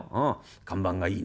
『看板がいいね。